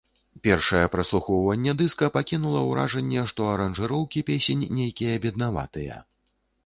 Першае праслухоўванне дыска пакінула ўражанне, што аранжыроўкі песень нейкія беднаватыя.